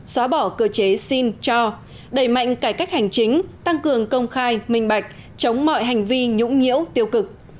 xóa bỏ cơ chế xin cho đẩy mạnh cải cách hành chính tăng cường công khai minh bạch chống mọi hành vi nhũng nhiễu tiêu cực